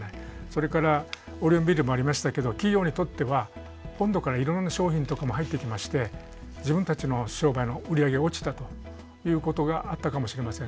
それからオリオンビールもありましたけど企業にとっては本土からいろんな商品とかも入ってきまして自分たちの商売の売り上げが落ちたということがあったかもしれません。